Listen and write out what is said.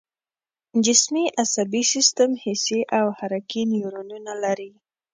جسمي عصبي سیستم حسي او حرکي نیورونونه لري